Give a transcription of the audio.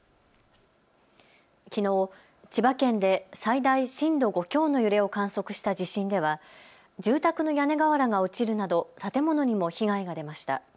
きのう、千葉県で最大震度５強の揺れを観測した地震では住宅の屋根瓦が落ちるなど建物にも被害が出ました。